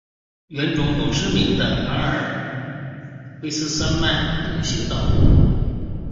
园中有知名的阿尔卑斯山脉步行道。